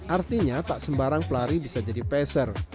artinya tak sembarang pelari bisa jadi peser